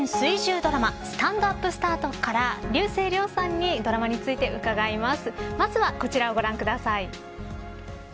ドラマスタンドＵＰスタートから竜星涼さんにドラマについて伺います。